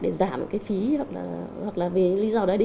để giảm cái phí hoặc là vì lý do đó đi